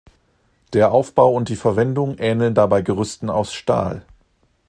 Der Aufbau und die Verwendung ähneln dabei Gerüsten aus Stahl.